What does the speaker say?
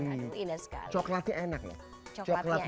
wih coklatnya enak ya